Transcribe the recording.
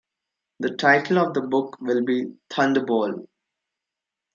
The title of the book will be Thunderball.